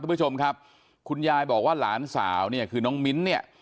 มือคุณยายบอกว่าหลานสาวคือน้องมิ้นเนี่ย